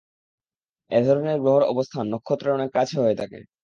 এধরণের গ্রহের অবস্থান নক্ষত্রের অনেক কাছে হয়ে থাকে।